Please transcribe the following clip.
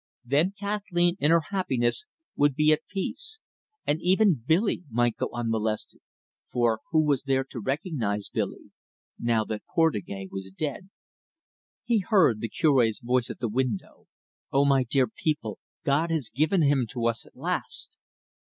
Then Kathleen in her happiness would be at peace; and even Billy might go unmolested, for, who was there to recognise Billy, now that Portugais was dead? He heard the Cure's voice at the window "Oh, my dear people, God has given him to us at last.